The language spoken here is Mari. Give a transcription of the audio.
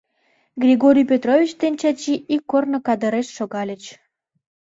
Григорий Петрович ден Чачи ик корно кадыреш шогальыч.